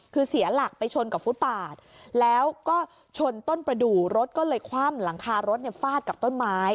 คือเสียหลักไปชนกับฟุตปาดแล้วก็ชนต้นประดูกรถก็เลยคว่ำหลังคารถฟาดกับต้นไม้